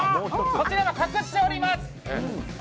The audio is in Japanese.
こちら、隠しております。